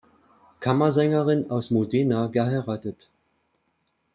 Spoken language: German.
Kammersängerin aus Modena geheiratet.